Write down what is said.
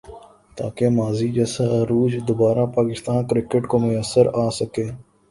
تاکہ ماضی جیسا عروج دوبارہ پاکستان کرکٹ کو میسر آ سکے ۔